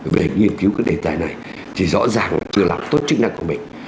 về nghiên cứu các đề tài này thì rõ ràng là chưa làm tốt chức năng của mình